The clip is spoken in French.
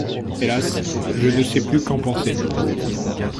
Hélas… je ne sais plus qu’en penser…